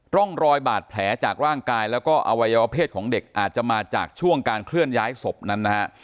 ร่องรอยบาดแผลจากร่างกายแล้วก็อวัยวะเพศของเด็กอาจจะมาจากช่วงการเคลื่อนย้ายศพนั้นนะฮะ